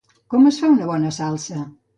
Com es fa una bona salsa?